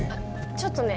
ちょっとね